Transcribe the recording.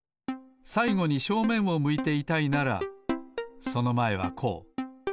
さいごに正面を向いていたいならそのまえはこう。